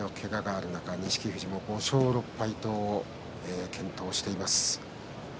足首のけががある中錦富士も５勝６敗と健闘しています。